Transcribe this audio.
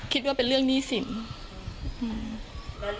คิดว่าเป็นเรื่องหนี้สิน